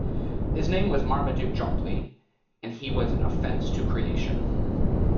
His name was Marmaduke Jopley, and he was an offence to creation.